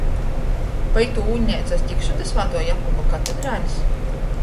Pa itū ūļneicu es tikšu da Svātuo Jākuba katedralis?